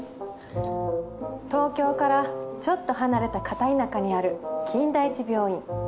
東京からちょっと離れた片田舎にある金田一病院。